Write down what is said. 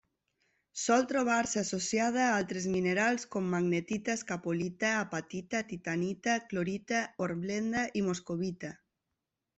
Sol trobar-se associada a altres minerals com: magnetita, escapolita, apatita, titanita, clorita, hornblenda i moscovita.